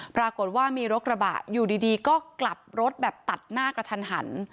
ปรากฏว่ามีรถกระบะอยู่ดีก็กลับรถแบบตัดหน้ากระทันหัน